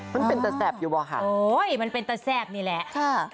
มันเป็นตระแทบแล้วเหรอคะโอ้โหเป็นตระแทบนี่แหละ